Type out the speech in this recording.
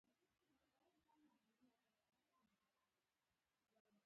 ایا ستاسو وجدان بیدار نه دی؟